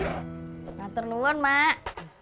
tidak terluar mak